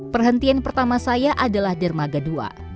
perhentian pertama saya adalah dermaga dua